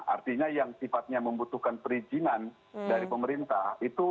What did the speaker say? artinya yang sifatnya membutuhkan perizinan dari pemerintah itu